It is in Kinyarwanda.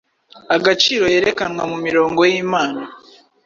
agaciro Yerekanwa mumirongo yimana